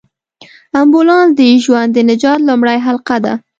امبولانس د ژوند د نجات لومړۍ حلقه ده.